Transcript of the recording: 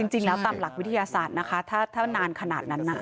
จริงแล้วตามหลักวิทยาศาสตร์นะคะถ้านานขนาดนั้นน่ะ